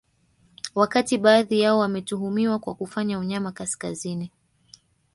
Wakati baadhi yao wametuhumiwa kwa kufanya unyama kaskazini